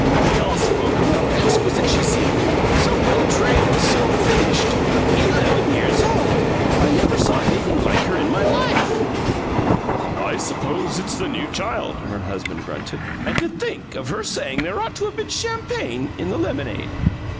We all spoke of how exquisite she seemed so well trained, so finished! Eleven years old! I never saw anything like her in my life!" "I suppose it's the New Child," her husband grunted. "And to think of her saying there ought to have been champagne in the lemonade!"